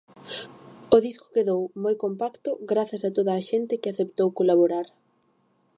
O disco quedou moi compacto grazas a toda a xente que aceptou colaborar.